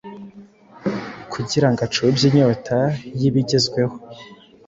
kugira ngo acubye inyota y’ibigezweho.